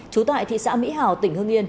chú tại thị xã mỹ hảo tỉnh hương yên